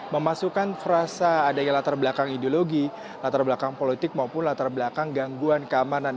memasukkan frasa adanya latar belakang ideologi latar belakang politik maupun latar belakang gangguan keamanan